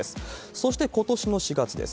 そしてことしの４月です。